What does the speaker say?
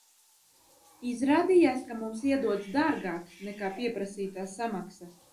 Izrādījās, ka mums iedots dārgāks, nekā pieprasītā samaksa.